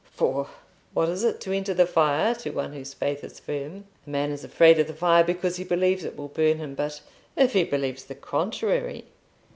For what is it to enter the fire, to one whose faith is firm? A man is afraid of the fire, because he believes it will burn him; but if he believes the contrary?"